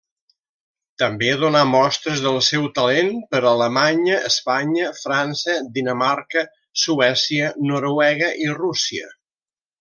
També donà mostres del seu talent per Alemanya, Espanya, França, Dinamarca, Suècia, Noruega i Rússia.